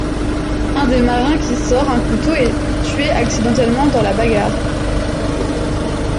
Un des marins qui sort un couteau est tué accidentellement dans la bagarre.